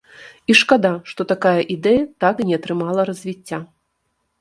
І шкада, што такая ідэя так і не атрымала развіцця.